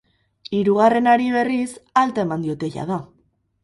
Hirugarrenari, berriz, alta eman diote jada.